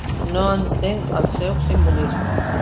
No entenc el seu simbolisme.